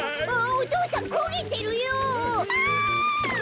お父さんこげてるよ！